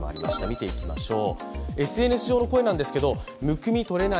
見ていきましょう。